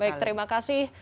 baik terima kasih